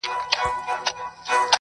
• آصل سړی یمه له شماره وځم..